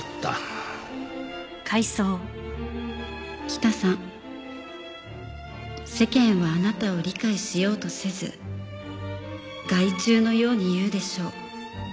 「北さん世間はあなたを理解しようとせず害虫のように言うでしょう」